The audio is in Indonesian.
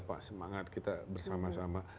pak semangat kita bersama sama